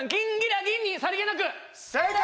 正解！